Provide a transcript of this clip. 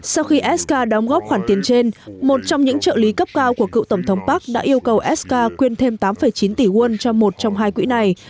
sau khi sk đóng góp khoản tiền trên một trong những trợ lý cấp cao của cựu tổng thống park đã yêu cầu sk quyên thêm tám chín tỷ won cho một trong hai quỹ này